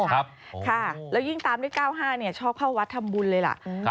แล้วยิ่งตามได้๙๕ชอบเข้าวัดธรรมบุญเลยล่ะ